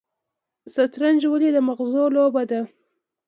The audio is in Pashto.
شطرنج ولې د مغز لوبه ده؟